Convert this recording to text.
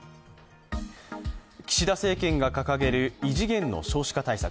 岸田政権が掲げる異次元の少子化対策。